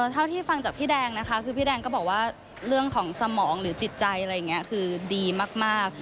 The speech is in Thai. เท่าที่ฟังจากพี่แดงนะคะคือพี่แดงก็บอกว่าเรื่องของสมองหรือจิตใจอะไรอย่างนี้คือดีมาก